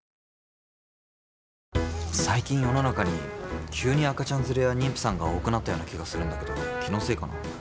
最近世の中に急に赤ちゃん連れや妊婦さんが多くなったような気がするんだけど気のせいかな？